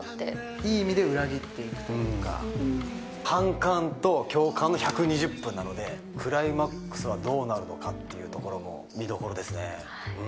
いい意味で裏切っていくとい反感と共感の１２０分なので、クライマックスはどうなるのかというところも見どころですね。